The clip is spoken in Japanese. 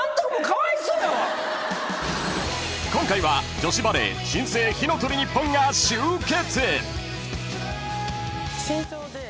［今回は女子バレー新生火の鳥ＮＩＰＰＯＮが集結］